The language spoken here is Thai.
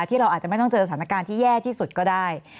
ที่เราอาจจะไม่ต้องเจอสถานการณ์ที่แย่ที่สุดก็ได้